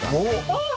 あっ！